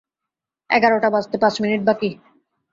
এগারোটা বাজতে পাঁচ মিনিট বাকি।